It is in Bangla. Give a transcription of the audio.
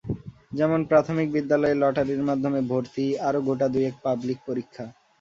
যেমন প্রাথমিক বিদ্যালয়ে লটারির মাধ্যমে ভর্তি, আরও গোটা দুয়েক পাবলিক পরীক্ষা।